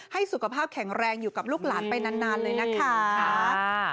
สุขภาพแข็งแรงอยู่กับลูกหลานไปนานเลยนะคะ